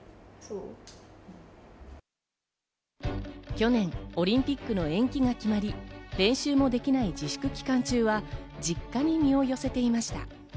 去年、オリンピックの延期が決まり、練習もできない自粛期間中は、実家に身を寄せていました。